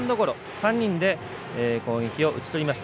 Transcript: ３人で攻撃を打ち取りました。